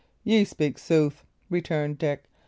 "Ye speak sooth," returned Dick.